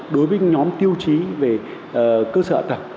đối với nhóm tiêu chí về cơ sở tầng